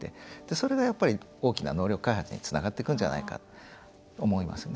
それが、やっぱり大きな能力開発につながっていくんじゃないかと思いますね。